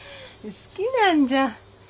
好きなんじゃ。